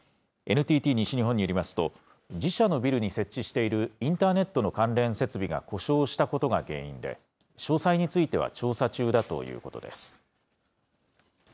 ＮＴＴ西日本によりますと、自社のビルに設置しているインターネットの関連設備が故障したことが原因で、詳細については調査中だということです。